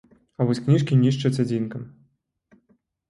Але вось кніжкі нішчаць адзінкам.